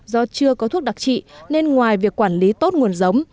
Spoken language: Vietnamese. do chưa có thuốc đặc trị nên ngoài việc quản lý tốt nguồn giống